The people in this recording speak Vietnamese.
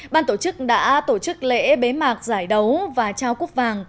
ban tổ chức đã tổ chức lễ bế mạc giải đấu và trao cúp vàng